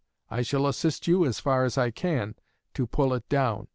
I shall assist you, as far as I can, to pull it down.